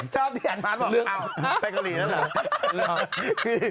ชอบที่อันมาร์ทบอกอ้าวแปลกอรีนั่นเหรอ